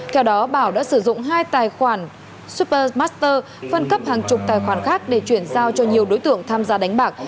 theo đó bảo đã sử dụng hai tài khoản super master phân cấp hàng chục tài khoản khác để chuyển giao cho nhiều đối tượng tham gia đánh bạc